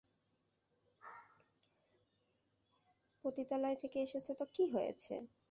পতিতালয় থেকে এসেছে তো কি হয়েছে?